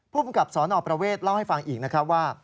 ภูมิกับสนประเวทเล่าให้ฟังอีกนะครับว่า